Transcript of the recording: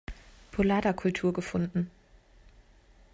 Polada-Kultur gefunden.